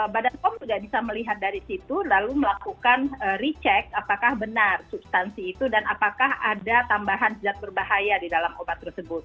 badan pom sudah bisa melihat dari situ lalu melakukan recheck apakah benar substansi itu dan apakah ada tambahan zat berbahaya di dalam obat tersebut